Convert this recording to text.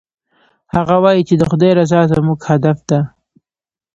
هغه وایي چې د خدای رضا زموږ هدف ده